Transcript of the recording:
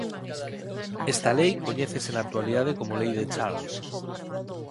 Esta lei coñecese na actualidade como Lei de Charles.